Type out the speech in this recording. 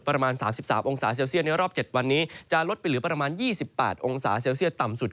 ประมาณ๓๓องศาเซลเซียตในรอบ๗วันนี้